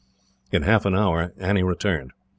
In half an hour Annie returned.